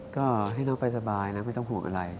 ก็ให้น้องไปสบายนะไม่ต้องห่วงอะไร